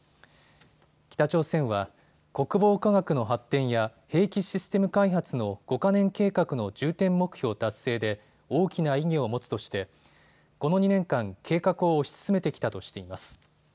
北朝鮮は国防科学の発展や兵器システム開発の５か年計画の重点目標達成で大きな意義を持つとしてこの２年間、計画を推し進めてきたとしています。